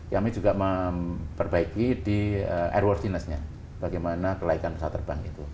kami juga memperbaiki di airworthiness nya bagaimana kelaikan pesawat terbang itu